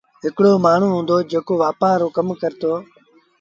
هڪڙو مآڻهوٚٚݩ هُݩدو جيڪو وآپآر رو ڪم ڪرتو